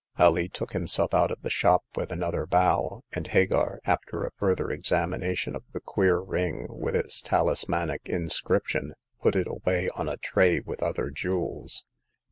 Alee took himself out of the shop with another bow, and Hagar, after a further examination of the queer ring with its talismanic inscription, put it away on a tray with other jewels.